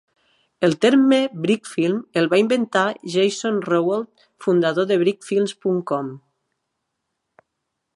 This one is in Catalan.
El terme "brick film" el va inventar Jason Rowoldt, fundador de Brickfilms.com.